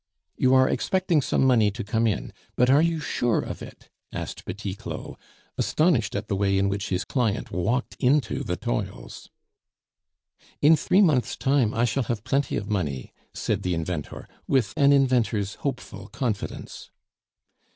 "You are expecting some money to come in; but are you sure of it?" asked Petit Claud, astonished at the way in which his client walked into the toils. "In three months' time I shall have plenty of money," said the inventor, with an inventor's hopeful confidence.